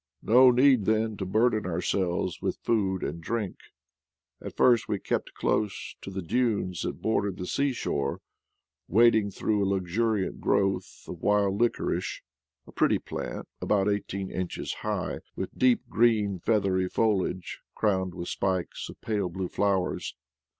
No need then to burden ourselves with food and drink! At first we kept close to the dunes that bordered the seashore, wad ing through a luxuriant growth of wild liquoric^V — a pretty plant about eighteen inches high, with deep green feathery foliage crowned with spikes V of pale blue flowers.